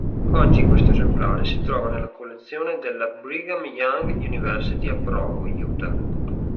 Oggi questo esemplare si trova nella collezione della Brigham Young University a Provo, Utah.